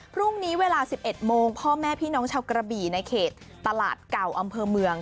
พรุ่งนี้เวลา๑๑โมงพ่อแม่พี่น้องชาวกระบี่ในเขตตลาดเก่าอำเภอเมือง